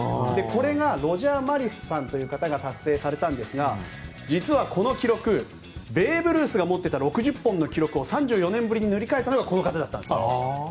これはロジャー・マリスという方が達成されたんですが実はこの記録ベーブ・ルースが持っていた６０本記録を３４年ぶりに塗り替えたのがこの方なんです。